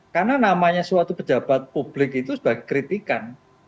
karena namanya suatu pejabat publik itu sebagai kritikan